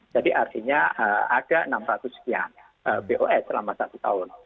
jadi artinya ada rp enam ratus bos selama satu tahun